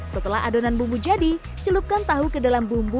setelah adonan bumbu jadi celupkan tahu ke dalam bumbu